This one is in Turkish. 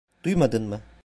Duymadın mı?